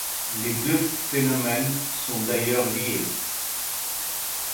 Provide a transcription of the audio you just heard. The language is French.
Les deux phénomènes sont d'ailleurs liés.